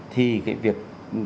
thì cái việc